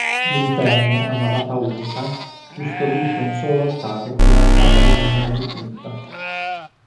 L'interno, a navata unica, custodisce un solo altare con alzata lignea dipinta.